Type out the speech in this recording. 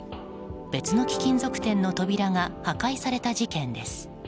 別の貴金属店の扉が破壊された事件です。